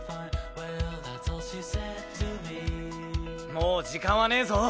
もう時間はねえぞ！